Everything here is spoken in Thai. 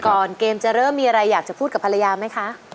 ก่อนเกมจะเริ่มมีอะไรอยากจะพูดกับภรรยาไหมคะ